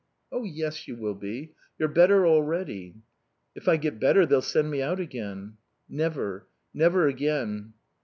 "Oh yes, you will be. You're better already." "If I get better they'll send me out again." "Never. Never again."